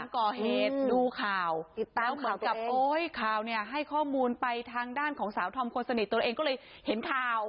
ก่อเหตุดูข่าวแล้วเหมือนกับโอ๊ยข่าวเนี่ยให้ข้อมูลไปทางด้านของสาวธอมคนสนิทตัวเองก็เลยเห็นข่าว